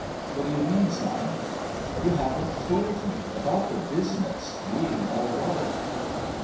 " What do you mean, son ?"" You haven't fooled me about the business being all right."